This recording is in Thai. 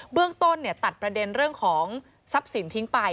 เรื่องต้นตัดประเด็นเรื่องของทรัพย์สินทิ้งไป